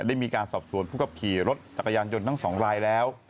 ได้มีการสอบสวนผู้ขับขี่รถจักรยานยนต์ทั้งสองรายแล้ว